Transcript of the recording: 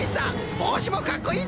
ぼうしもかっこいいぞ！